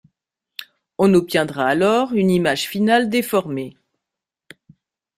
On obtiendra alors une image finale déformée.